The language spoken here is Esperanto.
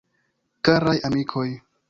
Karaj amikoj!